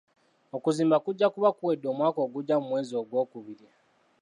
Okuzimba kujja kuba kuwedde omwaka ogujja mu mwezi gw'okubiri.